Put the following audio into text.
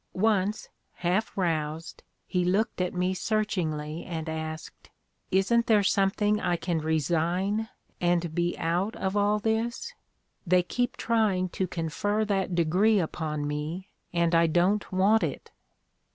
Once, half roused, he looked at me searchingly and asked: 'Isn't there something I can resign and be out of all this? They keep trying to confer that degree upon me and I don't want it.'